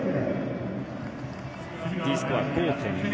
Ｄスコア５．６。